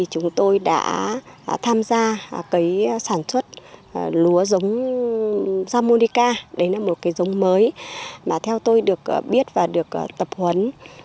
chúng tôi đã tham gia sản xuất lúa giống japonica đấy là một cái giống mới mà theo tôi được biết và được tập huấn